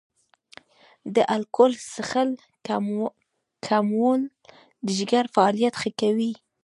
د الکول څښل کمول د جګر فعالیت ښه کوي.